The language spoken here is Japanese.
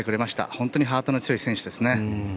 本当にハートの強い選手ですね。